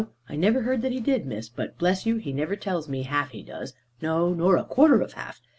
I never heard that he did, Miss. But bless you he never tells me half he does; no, nor a quarter of half."